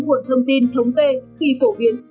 nguồn thông tin thống kê khi phổ biến